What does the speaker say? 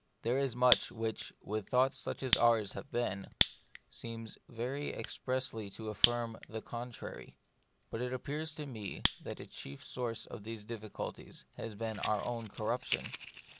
There is 5 62 The Mystery of Pain, much which, with thoughts such as ours have been, seems very expressly to affirm the con trary. But it appears to me that a chief source of these difficulties has been our own corruption.